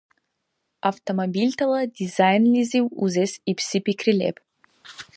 Автомобильтала дизайнлизив узес ибси пикри леб.